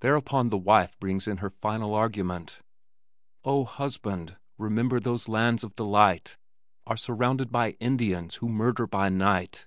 Thereupon the wife brings in her final argument: Oh, husband, remember those lands of delight Are surrounded by Indians who murder by night.